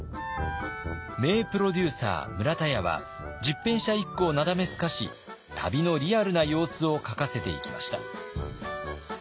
名プロデューサー村田屋は十返舎一九をなだめすかし旅のリアルな様子を書かせていきました。